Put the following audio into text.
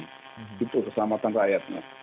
gitu keselamatan rakyatnya